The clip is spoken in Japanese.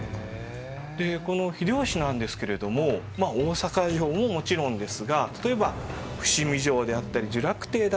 でこの秀吉なんですけれどもまあ大坂城ももちろんですが例えば伏見城であったり聚楽第だったりっていうですね